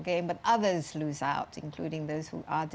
tapi ada yang kehilangan termasuk yang terpengaruh